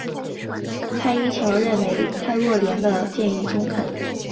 宋欣桥认为蔡若莲的建议中肯。